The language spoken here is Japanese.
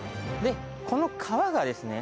この川がですね